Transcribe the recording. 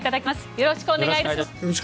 よろしくお願いします。